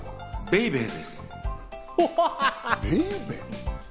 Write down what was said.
ベイベー？